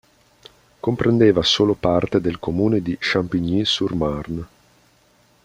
Comprendeva solo parte del comune di Champigny-sur-Marne.